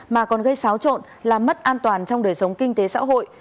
mà còn gây xáo trộn làm mất an toàn trong đời sống kinh tế xã hội